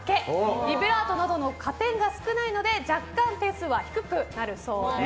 ビブラートなどの加点が少ないので若干点数は低くなるそうです。